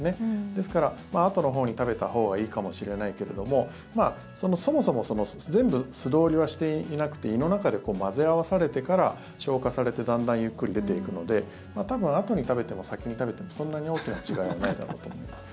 ですからあとのほうに食べたほうがいいかもしれないけれどもそもそも全部素通りはしていなくて胃の中で混ぜ合わされてから消化されてだんだんゆっくり出ていくので多分あとに食べても先に食べてもそんなに大きな違いはないかと思います。